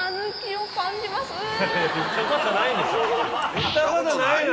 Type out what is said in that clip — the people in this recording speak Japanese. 行ったことないでしょ。